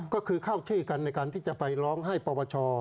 ก็คือเข้าชื่อกันในการที่จะไปร้องให้ปวช